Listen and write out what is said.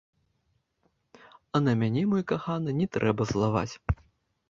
А на мяне, мой каханы, не трэба злаваць.